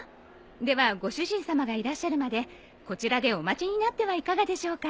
ではご主人さまがいらっしゃるまでこちらでお待ちになってはいかがでしょうか？